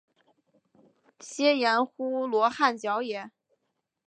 曷言乎罗汉脚也？